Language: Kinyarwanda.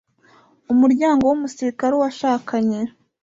umuryango w umusirikare uwashakanye